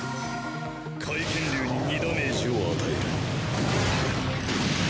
海剣竜に２ダメージを与える。